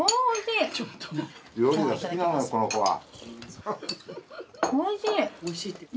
おいしい！